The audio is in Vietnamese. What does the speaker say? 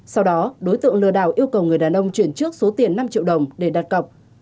sau đó đối tượng lừa đảo yêu cầu người đàn ông chuyển trước số tiền năm triệu đồng để đặt cọc